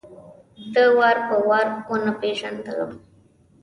ده وار په وار ونه پېژندلم.